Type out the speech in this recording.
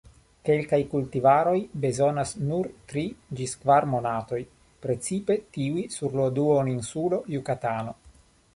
Kelkaj kultivaroj bezonas nur tri ĝis kvar monatoj, precipe tiuj sur la duoninsulo Jukatano.